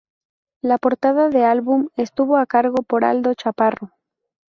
La portada de álbum estuvo a cargo por Aldo Chaparro.